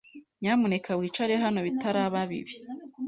Nyamuneka wicare hano bitaraba bibi